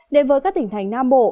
đến với các tỉnh thành nam bộ